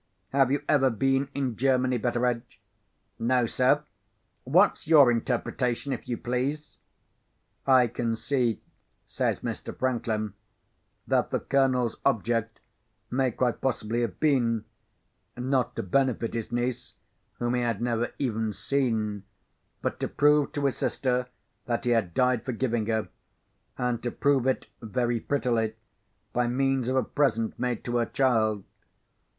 Have you ever been in Germany, Betteredge?" "No, sir. What's your interpretation, if you please?" "I can see," says Mr. Franklin, "that the Colonel's object may, quite possibly, have been—not to benefit his niece, whom he had never even seen—but to prove to his sister that he had died forgiving her, and to prove it very prettily by means of a present made to her child.